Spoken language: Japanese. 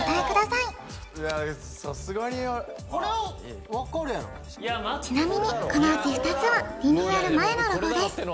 さすがにこれは分かるやろちなみにこのうち２つはリニューアル前のロゴです